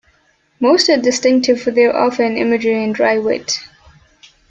Most are distinctive for their offhand imagery and dry wit.